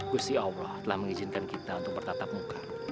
kusi allah telah mengizinkan kita untuk bertatap muka